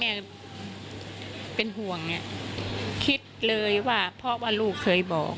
ไม่ตั้งใจครับ